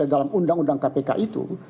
dalam undang undang kpk itu